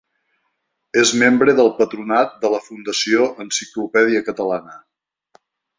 És membre del patronat de la Fundació Enciclopèdia Catalana.